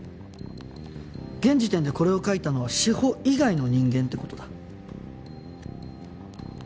現時点でこれを書いたのは志法以外の人間って事だ。